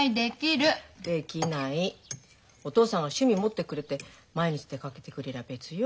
お父さんが趣味持ってくれて毎日出かけてくれりゃ別よ。